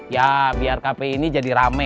ya biar kpi ini jadi rame